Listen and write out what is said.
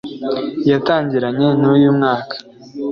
yatangiranye n’uyu mwaka